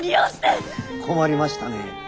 困りましたね。